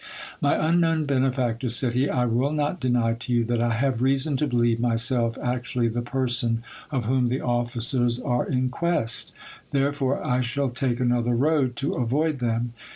My unknown benefactor, said he, I will not deny to you that I have reason to believe myself actually the person of whom the officers are in quest : therefore I shall take another road to avoid them.